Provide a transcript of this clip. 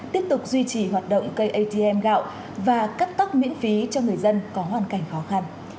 tiếp tục duy trì hoạt động cây atm gạo và cắt tóc miễn phí cho người dân có hoàn cảnh khó khăn